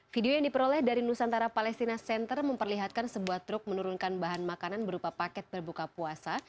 video yang diperoleh dari nusantara palestina center memperlihatkan sebuah truk menurunkan bahan makanan berupa paket berbuka puasa